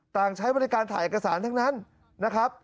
ต่างใช้บริการถ่ายอักษรทั้งนั้นนะครับ